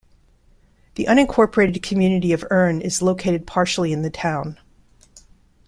The unincorporated community of Urne is located partially in the town.